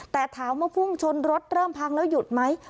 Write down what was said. แต่ถามว่าพุ่งชนรถเริ่มพังแล้วหยุดไหม